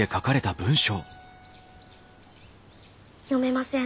読めません。